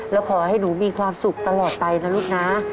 แล้วขอให้หนูมีความสุขตลอดไปนะลูกนะ